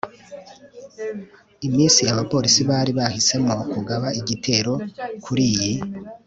iminsi, abapolisi bari bahisemo kugaba igitero kuriyi